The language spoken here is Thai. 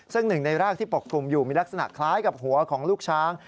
ซึ่งหนึ่งในรากที่ปกคลุมอยู่มีลักษณะคล้ายกับหัวของลูกช้าง